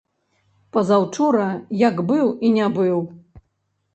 Пазаўчора як быў і не быў.